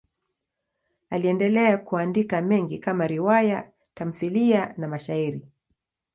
Aliendelea kuandika mengi kama riwaya, tamthiliya na mashairi.